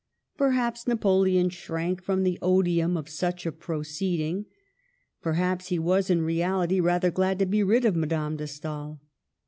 Perhaps Napoleon shrank from the odium of such a proceeding ; perhaps he was, in reality, rather glad to be rid of Madame de Stael.